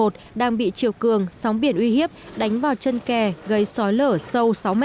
đang bị chiều cường sóng biển uy hiếp đánh vào chân kè gây sói lở sâu sáu m